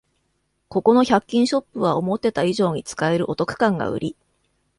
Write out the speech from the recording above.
ここの百均ショップは思ってた以上に使えるお得感がウリ